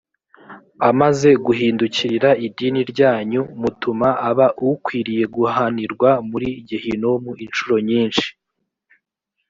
amaze guhindukirira idini ryanyu mutuma aba ukwiriye guhanirwa muri gehinomu incuro nyinshi